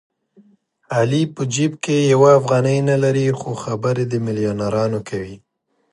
علي په جېب کې یوه افغانۍ نه لري خو خبرې د مېلیونرانو کوي.